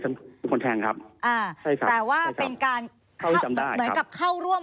ใช่ครับแต่ว่าเป็นการ